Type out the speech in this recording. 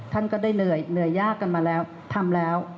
ท่านก็ได้เหนื่อยเหนื่อยยากกันมาแล้วทำแล้ว